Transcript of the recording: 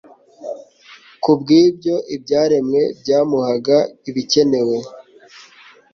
Kubw'ibyo, ibyaremwe byamuhaga ibikenewe,